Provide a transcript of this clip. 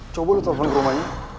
coba lo telfon ke rumahnya